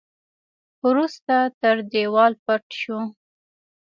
وروسته تر دېوال پټ شو.